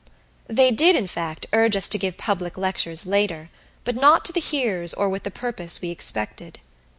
They did, in fact, urge us to give public lectures later, but not to the hearers or with the purpose we expected.